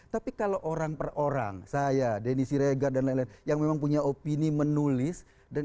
tapi kalau orang per orang saya denny siregar dan lain lain yang memang punya opini menulis dan